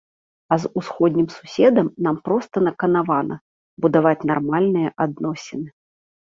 А з усходнім суседам нам проста наканавана будаваць нармальныя адносіны.